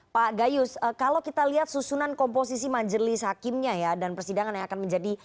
pak gayus kalau kita lihat susunan komposisi majelis hakimnya ya dan persidangan yang akan menjadi